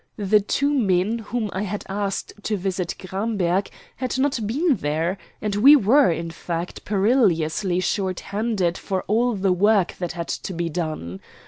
The two men whom I had asked to visit Gramberg had not been there, and we were, in fact, perilously short handed for all the work that had to be done.